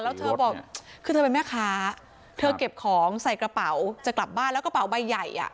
แล้วเธอบอกคือเธอเป็นแม่ค้าเธอเก็บของใส่กระเป๋าจะกลับบ้านแล้วกระเป๋าใบใหญ่อ่ะ